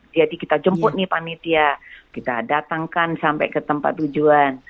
jadi kita jemput nih panitia kita datangkan sampai ke tempat tujuan